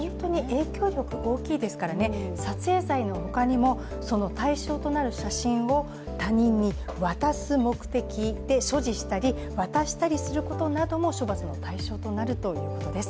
影響力大きいですからね、撮影罪の他にもその対象の撮影を他人に渡す目的で所持したり渡したりすることなども処罰の対象となるということです。